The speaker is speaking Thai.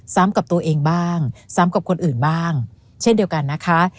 กับตัวเองบ้างซ้ำกับคนอื่นบ้างเช่นเดียวกันนะคะ